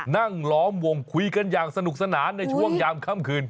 ล้อมวงคุยกันอย่างสนุกสนานในช่วงยามค่ำคืน